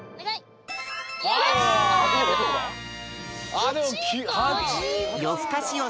あっでも。